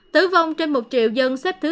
tử vong trên một triệu dân xếp thứ hai mươi sáu